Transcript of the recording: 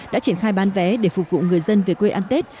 đã triển khai bán vé để phục vụ người dân về quê ăn tết